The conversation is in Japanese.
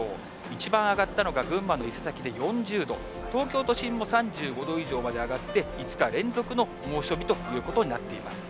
一番上がったのが群馬の伊勢崎で４０度、東京都心も３５度以上まで上がって、５日連続の猛暑日ということになっています。